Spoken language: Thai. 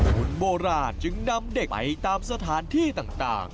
คุณโบราณจึงนำเด็กไปตามสถานที่ต่าง